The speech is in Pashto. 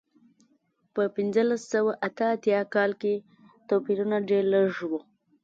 په پنځلس سوه اته اتیا کال کې توپیرونه ډېر لږ و.